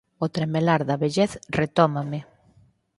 O tremelar da vellez retómame.